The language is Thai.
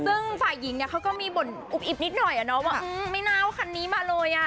ซึ่งฝ่ายหญิงเนี่ยเขาก็มีบ่นอุบอิบนิดหน่อยว่าไม่น่าเอาคันนี้มาเลยอ่ะ